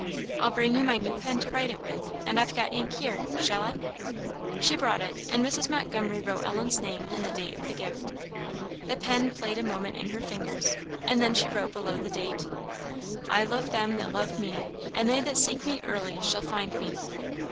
I'll bring you my new pen to write it with, and I've got ink here shall I?" She brought it; and Mrs. Montgomery wrote Ellen's name and the date of the gift. The pen played a moment in her fingers, and then she wrote below the date "I love them that love me; and they that seek me early shall find me."